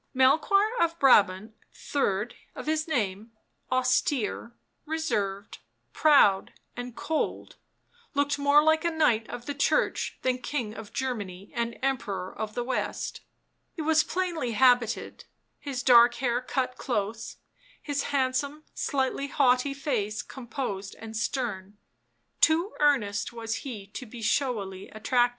Melchoir of Brabant, third of his name, austere, reserved, proud and cold, looked more like a knight of the Church than King of Germany and Emperor of the West; he was plainly habited, his dark hair cut close, his handsome, slightly haughty face composed and stern ; too earnest was he to be showily attractive.